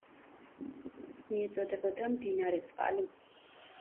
მიეწოდებოდა მდინარე წყალი.